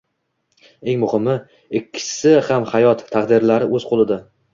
Eng muhimi, ikkisi ham hayot, taqdirlari o`z qo`lida